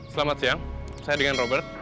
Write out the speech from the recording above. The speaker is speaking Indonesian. selamat siang saya dengan robert